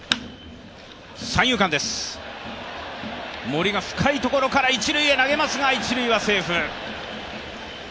森が深いところから投げますが一塁はセーフ。